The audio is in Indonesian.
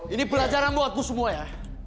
ini pelajaran buat lo semua ya